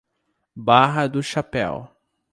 Barra do Chapéu